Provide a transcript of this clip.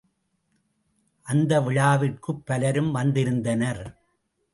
அந்த விழாவிற்குப் பலரும் வந்திருந்தனர்.